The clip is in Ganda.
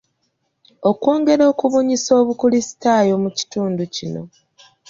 Okwongera okubunyisa obukulisitaayo mu kitundu kino.